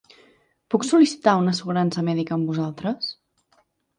Puc sol·licitar una assegurança mèdica amb vosaltres?